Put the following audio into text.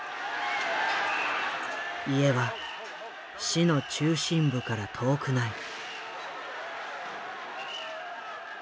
家は市の中心部から遠くない。